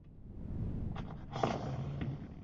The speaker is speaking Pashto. پټو کې لو کوم، سابه راوړمه